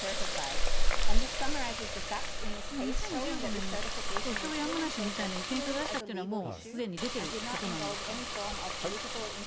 ２０１５年に訴訟やむなしみたいな意見書出したっていうのは、もうすでに出ていることなんですか？